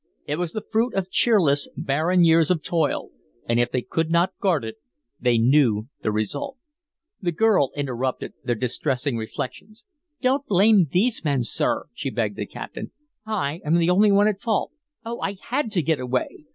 It was the fruit of cheerless, barren years of toil, and if they could not guard it they knew the result. The girl interrupted their distressing reflections. "Don't blame these men, sir," she begged the captain. "I am the only one at fault. Oh! I HAD to get away.